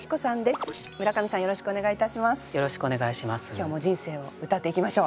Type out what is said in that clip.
今日も人生を詠っていきましょう。